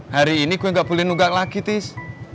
hari ini gue gak boleh nunggak lagi tis